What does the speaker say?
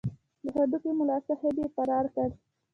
د هډې ملاصاحب یې فرار کړ.